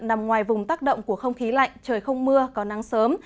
nằm ngoài vùng tác động của không khí lạnh trời không mưa có nắng sớm